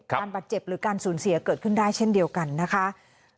บาดเจ็บหรือการสูญเสียเกิดขึ้นได้เช่นเดียวกันนะคะ